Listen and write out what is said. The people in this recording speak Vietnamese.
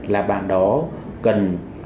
là bạn đó cần